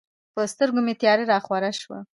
په سترګو مې تیاره راخوره شوه.